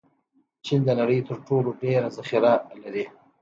چین د نړۍ تر ټولو ډېر ذخیره لري.